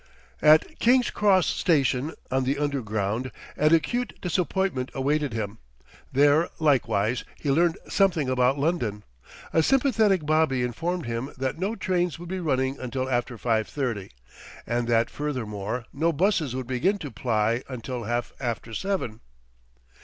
At King's Cross Station on the Underground an acute disappointment awaited him; there, likewise, he learned something about London. A sympathetic bobby informed him that no trains would be running until after five thirty, and that, furthermore, no busses would begin to ply until half after seven.